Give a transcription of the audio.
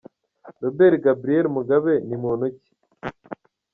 Robert Gabriel Mugabe ni muntu ki?.